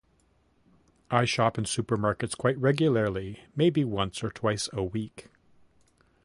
I shop in supermarkets quite regularly, maybe once or twice a week.